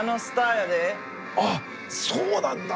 あっそうなんだ。